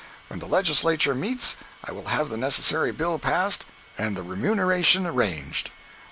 When the legislature meets I will have the necessary bill passed and the remuneration arranged."